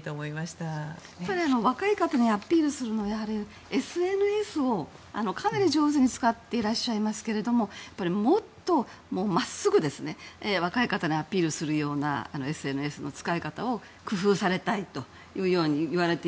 ただ若い方にアピールするにはＳＮＳをかなり上手に使っていらっしゃいますけどももっと真っすぐ若い方にアピールするようなＳＮＳの使い方を工夫されたいといわれていて。